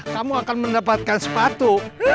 kamu akan mendapatkan sepatu